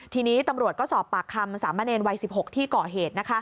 ทีนี้ตำรวจก็สอบปากคำสามเณรวัย๑๖ที่ก่อเหตุ